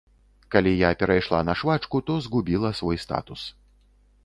Калі я перайшла на швачку, то згубіла свой статус.